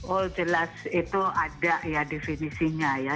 oh jelas itu ada ya definisinya ya